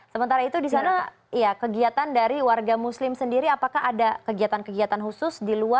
sementara itu di sana kegiatan dari warga muslim sendiri apakah ada kegiatan kegiatan khusus